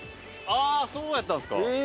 ああそうやったんですか。